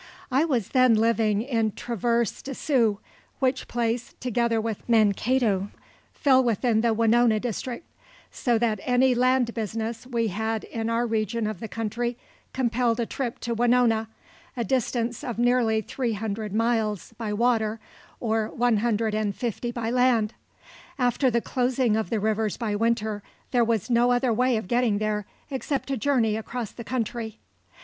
I was then living in Traverse des Sioux, which place, together with Mankato, fell within the Winona district, so that any land business we had in our region of the country compelled a trip to Winona, a distance of nearly three hundred miles by water, or one hundred and fifty by land. After the closing of the rivers by winter there was no other way of getting there except to journey across the country.